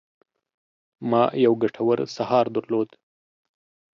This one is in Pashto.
ما یو ګټور سهار درلود.